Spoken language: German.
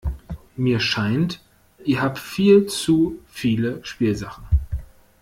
Mir scheint, ihr habt viel zu viele Spielsachen.